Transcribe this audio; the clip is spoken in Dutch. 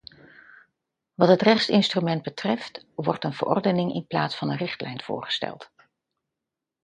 Wat het rechtsinstrument betreft, wordt een verordening in plaats van een richtlijn voorgesteld.